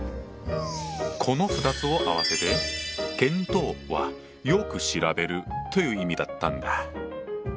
この２つを合わせて「検討」は「よく調べる」という意味だったんだ。